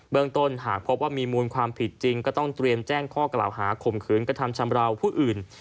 ต้นหากพบว่ามีมูลความผิดจริงก็ต้องเตรียมแจ้งข้อกล่าวหาข่มขืนกระทำชำราวผู้อื่น